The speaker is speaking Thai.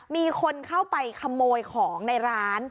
มีคนเข้าไปขโมยของในร้าน